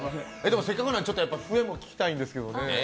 せっかくだから笛も聞きたいんですけどね。